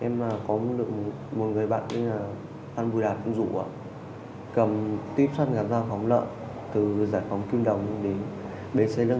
em có một người bạn tên là phan bùi đạt dũng dũ cầm tiếp xác gắn dao phóng lợn từ giải phóng kim đồng đến bến xây lân